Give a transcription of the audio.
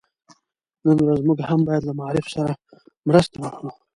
نن ورځ موږ هم بايد له معارف سره مرسته وکړو.